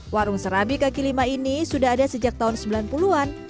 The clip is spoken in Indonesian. warung serabi kaki lima ini sudah ada sejak tahun sembilan puluh an